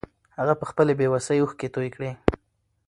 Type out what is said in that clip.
هغه په خپلې بې وسۍ اوښکې توې کړې.